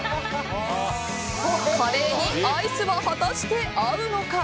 カレーにアイスは果たして合うのか